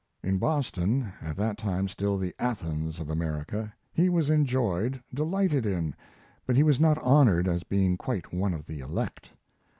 In Boston, at that time still the Athens of America, he was enjoyed, delighted in; but he was not honored as being quite one of the elect.